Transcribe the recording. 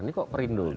ini kok perindo